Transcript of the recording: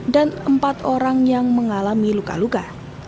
dan empat orang yang mengalami luka luka